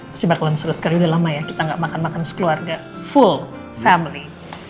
pasti bakalan seru sekali udah lama ya kita nggak makan makan sekeluarga full family